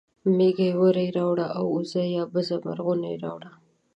مېږه وری راوړي اوزه یا بزه مرغونی راوړي